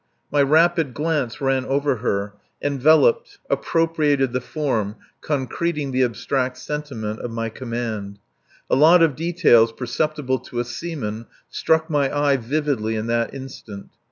My rapid glance ran over her, enveloped, appropriated the form concreting the abstract sentiment of my command. A lot of details perceptible to a seaman struck my eye, vividly in that instant.